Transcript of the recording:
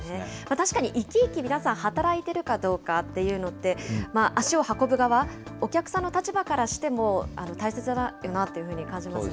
確かに生き生き皆さん働いているかどうかっていうのって、足を運ぶ側、お客様の立場からしても大切だよなというふうに感じますね。